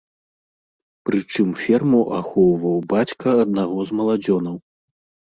Прычым ферму ахоўваў бацька аднаго з маладзёнаў.